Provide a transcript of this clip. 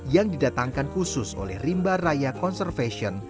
yang didatangkan khusus oleh rimba raya conservation